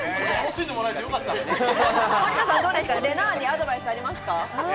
森田さん、アドバイスありますか？